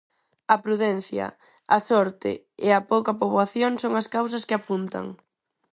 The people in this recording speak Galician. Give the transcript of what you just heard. A prudencia, a sorte e a pouca poboación son as causas que apuntan.